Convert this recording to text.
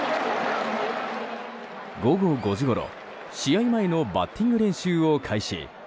午後５時ごろ、試合前のバッティング練習を開始。